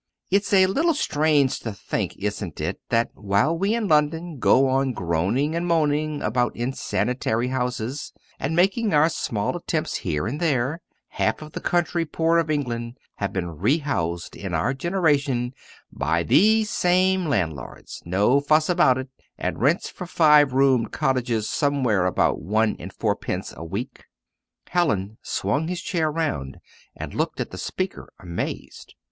"It's a little strange to think, isn't it, that while we in London go on groaning and moaning about insanitary houses, and making our small attempts here and there, half of the country poor of England have been re housed in our generation by these same landlords no fuss about it and rents for five roomed cottages, somewhere about one and fourpence a week!" Hallin swung his chair round and looked at the speaker amazed!